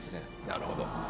なるほど。